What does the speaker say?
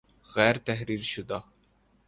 غیر تحریر شدہ